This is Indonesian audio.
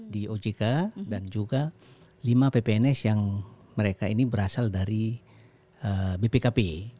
di ojk dan juga lima ppns yang mereka ini berasal dari bpkp